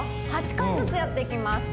８回ずつやっていきます